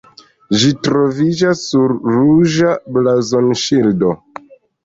Ĝi troviĝas sur ruĝa blazonŝildo.